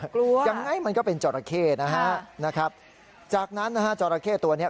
กลัวล่ะอย่างไรมันก็เป็นจอราเคนะครับจากนั้นจอราเคตัวนี้